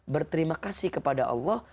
berterima kasih kepada allah